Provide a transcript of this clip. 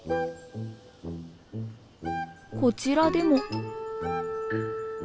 こちらでも。